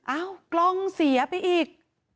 อ้าวกล้องเสียไปอีก